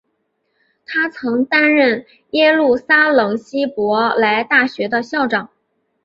他曾担任耶路撒冷希伯来大学的校长。